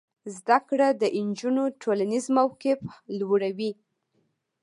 زده کړه د نجونو ټولنیز موقف لوړوي.